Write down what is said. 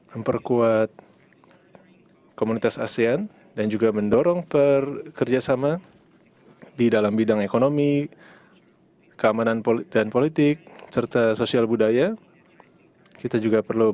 yang terbesar penyelesaian ekonomi yang lebih kuncad di dunia dan memiliki keuntungan dari antara masyarakat radio perusahaan kamil epan dan kamera autonomi